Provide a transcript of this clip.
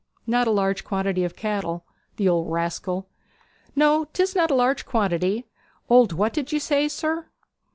'H'm, not a large quantity of cattle. The old rascal!' 'No, 'tis not a large quantity. Old what did you say, sir?'